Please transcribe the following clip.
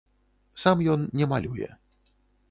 Сам ён не малюе.